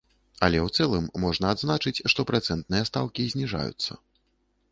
Але ў цэлым можна адзначыць, што працэнтныя стаўкі зніжаюцца.